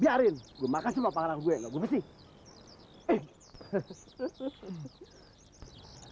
biarin gua makan semua panggang gua nggak gua pesik